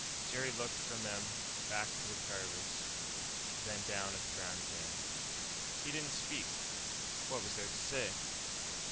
Jerry looked from them back to the Carvers, then down at the ground again. He didn't speak. What was there to say?